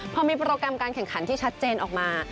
พอมีโปรแกรมการแข่งขันที่ชัดเจนออกมา